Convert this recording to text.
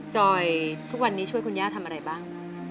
จอยทุกวันนี้ช่วยคุณย่าทำอะไรบ้าง